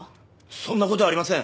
そんな事はありません！